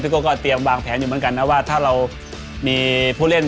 ก็ก็เตรียมวางแผนอยู่เหมือนกันนะว่าถ้าเรามีผู้เล่น